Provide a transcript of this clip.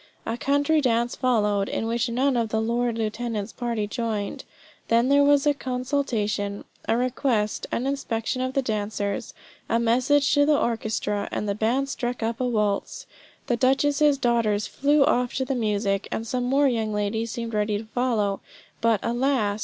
A country dance followed, in which none of the lord lieutenant's party joined; then there was a consultation, a request, an inspection of the dancers, a message to the orchestra, and the band struck up a waltz; the duchess's daughters flew off to the music, and some more young ladies seemed ready to follow, but, alas!